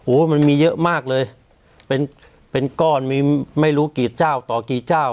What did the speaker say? มันมีเยอะมากเลยเป็นเป็นก้อนมีไม่รู้กี่เจ้าต่อกี่เจ้า